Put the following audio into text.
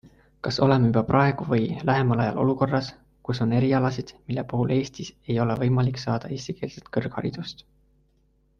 Kas oleme juba praegu või lähemal ajal olukorras, kus on erialasid, mille puhul Eestis ei ole võimalik saada eestikeelset kõrgharidust?